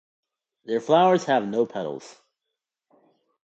Their flowers have no petals.